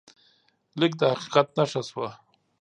لیک د حقیقت نښه شوه.